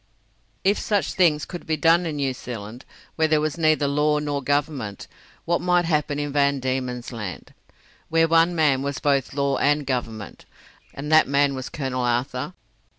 If such things could be done in New Zealand, where there was neither law nor government, what might happen in Van Diemen's Land, where one man was both law and government, and that man was Colonel Arthur?